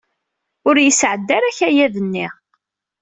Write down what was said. Ur yesɛedda ara akayad-nni.